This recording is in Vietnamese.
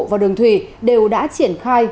và đường thủy đều đã triển khai